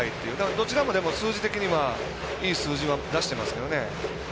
どちらも数字的にはいい数字は出してますからね。